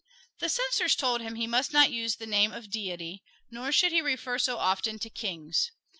The censors told him he must not use the name of Deity, nor should he refer so often to kings.